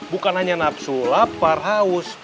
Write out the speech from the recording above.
bukan hanya nafsu lapar haus